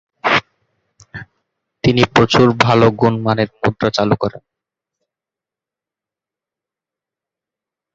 তিনি প্রচুর ভালো গুণমানের মুদ্রা চালু করেন।